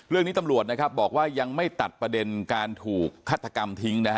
เรื่องนี้ตำรวจนะครับบอกว่ายังไม่ตัดประเด็นการถูกฆาตกรรมทิ้งนะฮะ